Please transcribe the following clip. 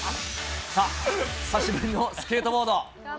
さあ、久しぶりのスケートボード。